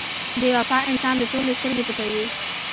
• بې وفا انسان له ټولو سترګې پټوي.